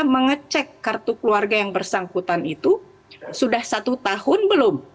mengecek kartu keluarga yang bersangkutan itu sudah satu tahun belum